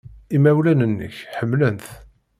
Imawlan-nnek ḥemmlen-t.